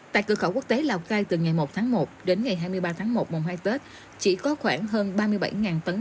tại cửa khẩu quốc tế lào cai từ ngày một tháng một đến ngày hai mươi ba tháng một mùng hai tết chỉ có khoảng hơn ba mươi bảy tấn